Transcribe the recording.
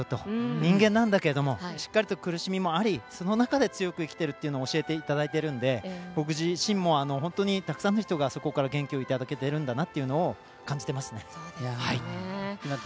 人間なんだけどしっかりと苦しみもありその中で、強く生きてるっていうのを教えていただいてるので、僕自身そこからたくさんの人が元気いただけてるんだなと感じてますね。